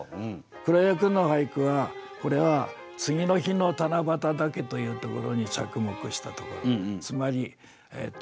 黒岩君の俳句はこれは次の日の七夕竹というところに着目したところ。